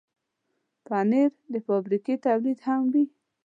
پنېر د فابریکې تولید هم وي.